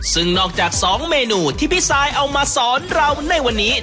ซึ่งนอกจาก๒เมนูที่พี่ซายเอามาสอนเราในวันนี้